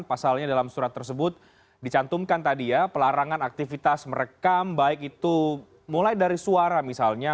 pasalnya dalam surat tersebut dicantumkan tadi ya pelarangan aktivitas merekam baik itu mulai dari suara misalnya